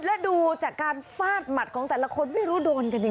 แล้วดูจากการฟาดหมัดของแต่ละคนไม่รู้โดนกันเนี่ย